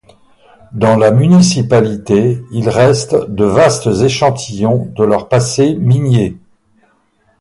Dans la municipalité, il reste de vastes échantillons de leur passé minier.